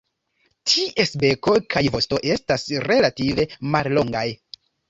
Ties beko kaj vosto estas relative mallongaj.